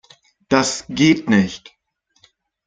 Das geht nicht!